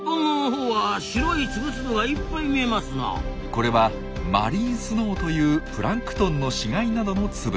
これは「マリンスノー」というプランクトンの死骸などの粒。